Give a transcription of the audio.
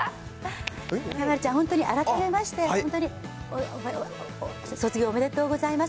丸ちゃん、本当に改めまして、本当に卒業おめでとうございます。